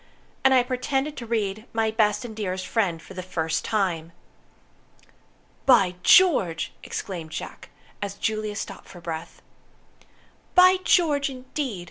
And I pretended to read, 'My Best and Dearest Friend', for the first time." "By George!" exclaimed Jack, as Juliet stopped for breath. "By George, indeed!"